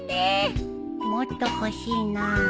もっと欲しいなぁ